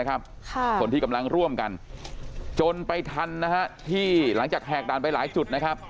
คนที่กำลังร่วมกันจนไปทันที่หลังจากแหกด่านไปหลายจุดนะครับ